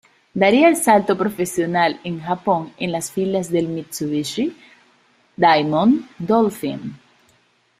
Daría el salto profesional en Japón en las filas del Mitsubishi Diamond Dolphins.